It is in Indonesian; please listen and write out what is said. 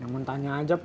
mentahnya aja pak